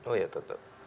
oh ya tetap